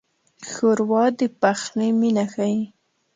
ښوروا د پخلي مینه ښيي.